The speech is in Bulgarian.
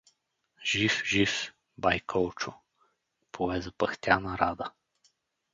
— Жив, жив, бай Колчо — пое запъхтяна Рада.